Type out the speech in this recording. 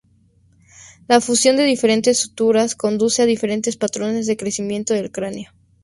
La fusión de diferentes suturas conduce a diferentes patrones de crecimiento del cráneo.